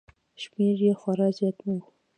شمېر یې خورا زیات و